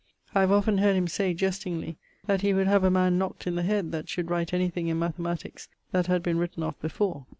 I have often heard him say (jestingly) that he would have a man knockt in the head that should write any thing in mathematiques that had been written of before.